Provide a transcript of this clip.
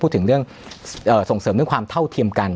พูดถึงเรื่องส่งเสริมเรื่องความเท่าเทียมกัน